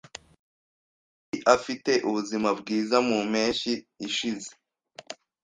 Yari afite ubuzima bwiza mu mpeshyi ishize.